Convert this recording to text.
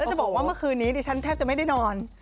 จะบอกว่าเมื่อคืนนี้ดิฉันแทบจะไม่ได้นอน